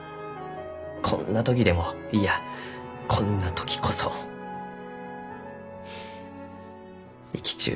こんな時でもいやこんな時こそ生きちゅう